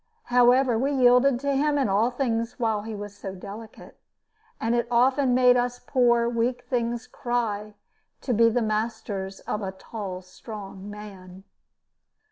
However, we yielded to him in all things while he was so delicate; and it often made us poor weak things cry to be the masters of a tall strong man.